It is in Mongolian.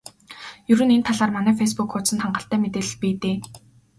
Ер нь энэ талаар манай фейсбүүк хуудсанд хангалттай мэдээлэл бий дээ.